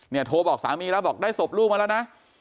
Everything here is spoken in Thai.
โทรบอกสามีแล้วบอกได้ศพลูกมาแล้วนะ